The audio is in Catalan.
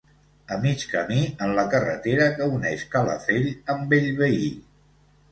A mig camí en la carretera que uneix Calafell amb Bellvei.